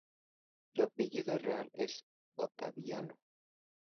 Su apellido real es Ottaviano.